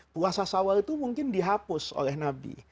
puasa sawal itu mungkin dihapus oleh nabi